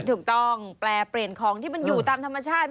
ถูกต้องแปลเปลี่ยนของที่มันอยู่ตามธรรมชาติ